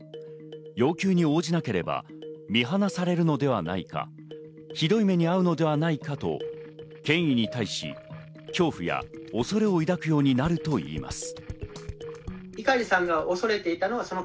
要求に応じなければ見放されるのではないか、ひどい目にあうのではないかと、権威に対して、恐怖や恐れを抱くようになるといいます。